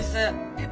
えっ？